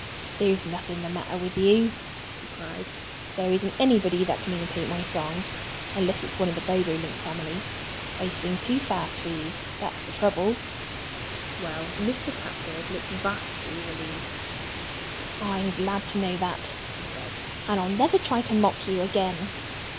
"There's nothing the matter with you!" he cried. "There isn't anybody that can imitate my songs unless it's one of the Bobolink family. I sing too fast for you that's the trouble." Well, Mr. Catbird looked vastly relieved. "I'm glad to know that," he said. "And I'll never try to mock you again."